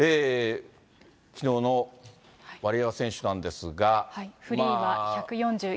きのうのワリエワ選手なんですが。